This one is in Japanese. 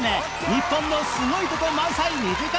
日本のすごいとこ満載２時間